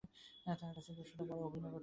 তাহার কাছে দৃশ্যটা বড় অভিনব ঠেকে।